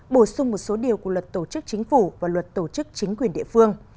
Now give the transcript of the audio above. bổ sung một số điều của luật tổ chức chính phủ và luật tổ chức chính quyền địa phương